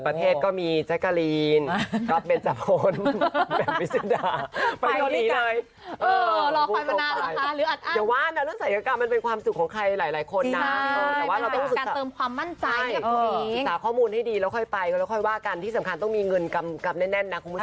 เพราะว่ามันอยู่เฉยนาน